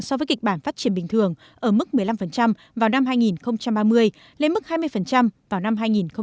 so với kịch bản phát triển bình thường ở mức một mươi năm vào năm hai nghìn ba mươi lên mức hai mươi vào năm hai nghìn bốn mươi